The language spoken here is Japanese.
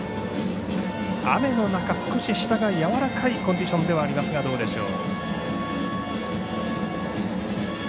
雨の中、少し下がやわらかいコンディションではありますがどうでしょう。